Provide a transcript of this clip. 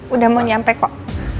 udah mau nyampe kok